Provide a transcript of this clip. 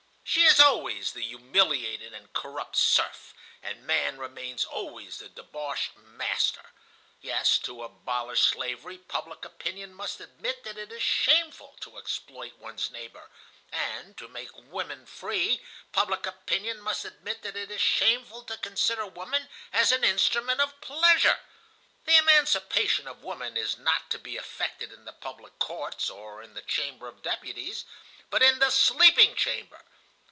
"She is always the humiliated and corrupt serf, and man remains always the debauched Master. Yes, to abolish slavery, public opinion must admit that it is shameful to exploit one's neighbor, and, to make woman free, public opinion must admit that it is shameful to consider woman as an instrument of pleasure. "The emancipation of woman is not to be effected in the public courts or in the chamber of deputies, but in the sleeping chamber.